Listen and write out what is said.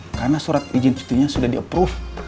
karena surat izin cutinya sudah di approve